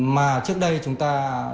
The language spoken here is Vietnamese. mà trước đây chúng ta